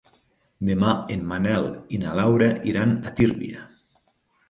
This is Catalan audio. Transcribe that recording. Demà en Manel i na Laura iran a Tírvia.